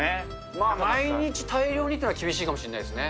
まあ、毎日大量にというのは厳しいかもしれないですね。